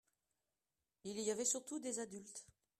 il y avait surtout des adultes.